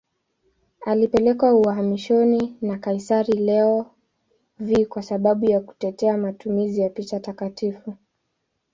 Alipelekwa uhamishoni na kaisari Leo V kwa sababu ya kutetea matumizi ya picha takatifu.